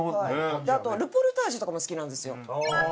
あとルポルタージュとかも好きなんですよ。